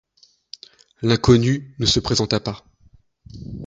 L’inconnu ne se présenta pas.